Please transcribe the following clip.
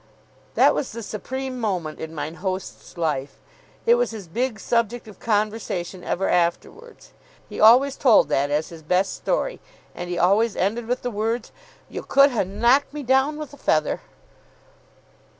That was the supreme moment in mine host's life. It was his big subject of conversation ever afterwards. He always told that as his best story, and he always ended with the words, "You could ha' knocked me down with a feather!"